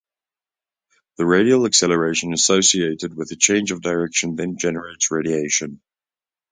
The radial acceleration associated with the change of direction then generates radiation.